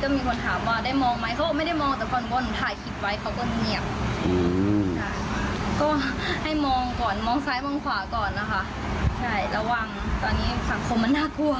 ก็ไม่ได้มองแต่ก่อนมองซ้ายมองขวาก่อนนะคะใช่ระวังตอนนี้สังคมมันน่ากลัว